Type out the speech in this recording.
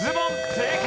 正解！